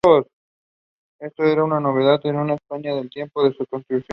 Esto era una novedad en Nueva España al tiempo de su construcción.